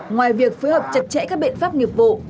ngoài việc phối hợp chặt chẽ các biện pháp nghiệp vụ